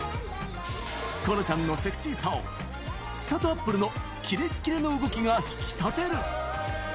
このちゃんのセクシーさを、ちさとあっぷるのキレッキレの動きが引き立てる。